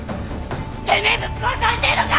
てめえぶっ殺されてえのか！？